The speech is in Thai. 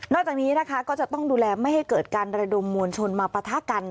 จากนี้นะคะก็จะต้องดูแลไม่ให้เกิดการระดมมวลชนมาปะทะกัน